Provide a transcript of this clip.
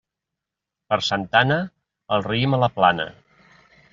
Per Santa Anna, el raïm a la plana.